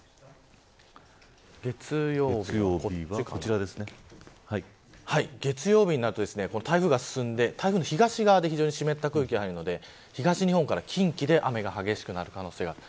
これが月曜日になると台風が進んで台風の東側で湿った空気が入るので、東日本から近畿で雨が激しくなる可能性がある。